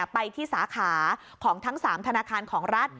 ไปที่สาขาของทั้ง๓ธนาคารของรัฐ